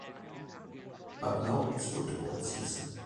But now it's football season.